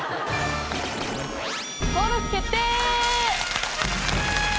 登録決定！